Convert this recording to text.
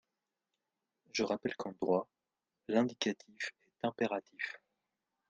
Je rappelle qu’en droit, l’indicatif est impératif.